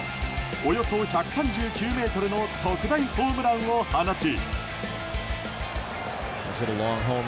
およそ１３９ｍの特大ホームランを放ち。